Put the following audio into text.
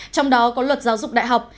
trong đó có luật giáo dục đại học